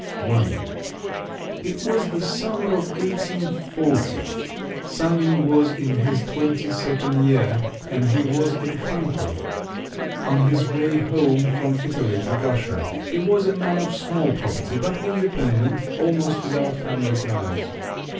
I It was the summer of 1840. Sanin was in his twenty second year, and he was in Frankfort on his way home from Italy to Russia. He was a man of small property, but independent, almost without family ties.